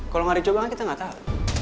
kalau nggak dicoba kan kita nggak tahu